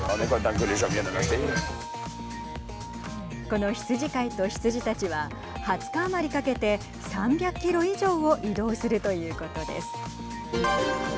この羊飼いと羊たちは２０日余りかけて３００キロ以上を移動するということです。